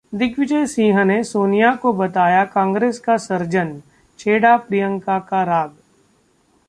दिग्विजय सिंह ने सोनिया को बताया कांग्रेस का 'सर्जन', छेड़ा प्रियंका का राग